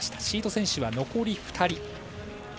シード選手は残り２人。